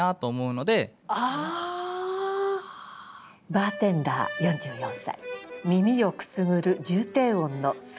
「バーテンダー４４歳耳をくすぐる重低音のスイートソース」。